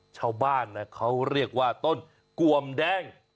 ชาวบ้านเขาเรียกว่าต้นกวมแดง